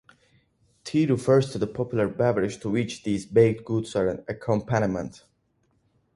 Tea refers to the popular beverage to which these baked goods are an accompaniment.